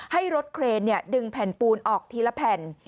ให้รถเครนดึงแผ่นปูนออกทีละแผ่น